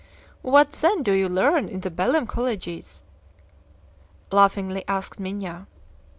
"What, then do you learn in the Belem colleges?" laughingly asked Minha.